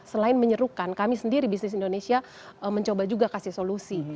selain menyerukan kami sendiri bisnis indonesia mencoba juga kasih solusi